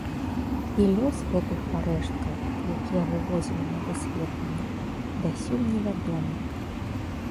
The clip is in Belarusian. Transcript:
І лёс гэтых парэшткаў, якія вывозілі на даследаванні, дасюль невядомы.